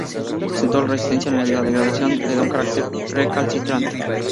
Presentando resistencia a la degradación lo que le da un carácter recalcitrante.